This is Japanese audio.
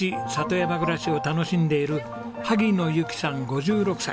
山暮らしを楽しんでいる萩野由紀さん５６歳。